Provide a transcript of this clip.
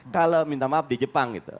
kalau minta maaf di jepang gitu